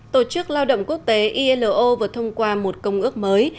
tổ chức lao động quốc tế ilo vừa thông qua một công ước mới